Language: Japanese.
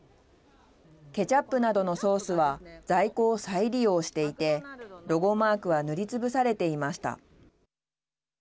ケチャップなどのソースは在庫を再利用していてロゴマークは塗りつぶされていました。